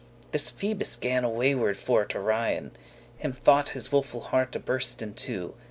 This Phoebus gan awayward for to wrien;* *turn aside Him thought his woeful hearte burst in two.